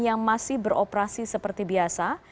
yang masih beroperasi seperti biasa